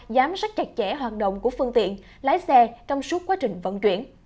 giám sát chặt chẽ hoạt động của phương tiện lái xe trong suốt quá trình vận chuyển